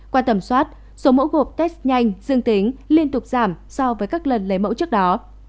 qua tầm soát số mẫu gộp test nhanh dương tính liên tục giảm so với các lần lấy mẫu trước đó